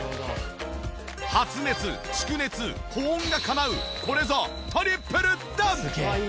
発熱蓄熱保温がかなうこれぞトリプル暖。